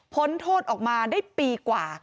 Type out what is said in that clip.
โทษออกมาได้ปีกว่า